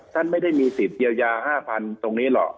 ท่านไม่ได้มีสิทธิ์เยียวยา๕๐๐๐ตรงนี้หรอก